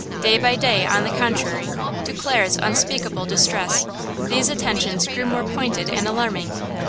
Day by day, on the contrary, to Clara's unspeakable distress, these attentions grew more pointed and alarming.